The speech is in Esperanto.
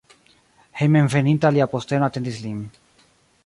Hejmenveninta lia posteno atendis lin.